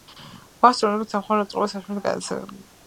მაუსი წარმოადგენს დამხმარე მოწყობილობას სამუშაოს გასაადვილებლად